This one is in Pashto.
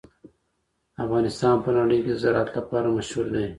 افغانستان په نړۍ کې د زراعت لپاره مشهور دی.